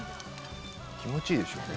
気持ちいいでしょうね